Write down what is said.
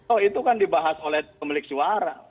oh itu kan dibahas oleh pemilik suara